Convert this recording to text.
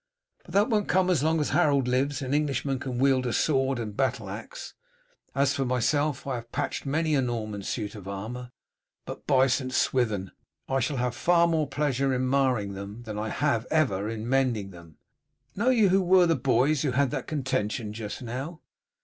But that won't come as long as Harold lives and Englishmen can wield sword and battle axe. As for myself, I have patched many a Norman suit of armour, but, by St. Swithin, I shall have far more pleasure in marring than I have ever had in mending them." "Know you who were the boys who had that contention just now?"